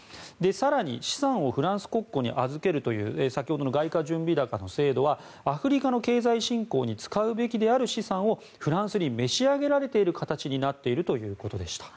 更に資産をフランス国庫に預けるという先ほどの外貨準備高の制度はアフリカの経済振興に使うべきである資産をフランスに召し上げられている形になっているということでした。